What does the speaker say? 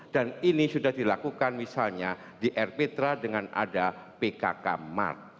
dan ini sudah dilakukan misalnya di air petra dengan ada pkk mart